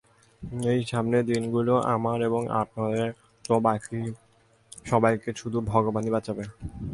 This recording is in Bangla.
এই সামনের দিনগুলি, আমার এবং আপনাদের, তো বাকি সবাইকে শুধু ভগবানই বাঁচাবে।